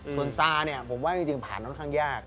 ส่วนซาเนี่ยผมว่าจริงผ่านค่อนข้างยาก